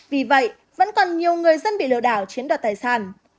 vì vậy vẫn còn nhiều người dân bị lừa đảo chiếm đoạt tài sản